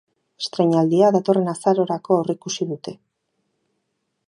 Estreinaldia datorren azarorako aurreikusi dute.